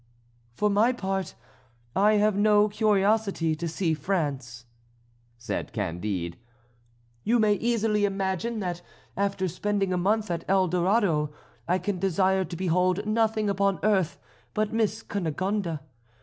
"For my part, I have no curiosity to see France," said Candide. "You may easily imagine that after spending a month at El Dorado I can desire to behold nothing upon earth but Miss Cunegonde.